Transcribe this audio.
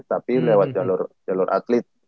tapi lewat jalur atlet